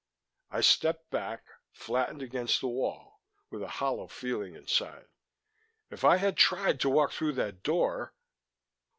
I stepped back, flattened against the wall, with a hollow feeling inside. If I had tried to walk through that door....